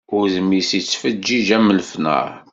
Udem-is yettfeǧǧiǧ am lefnar.